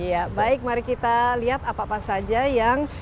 ya baik mari kita lihat apa apa saja yang